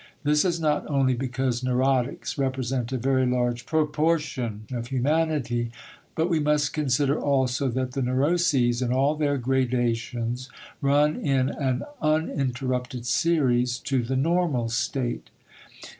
This is not only because neurotics represent a very large proportion of humanity, but we must consider also that the neuroses in all their gradations run in an uninterrupted series to the normal state.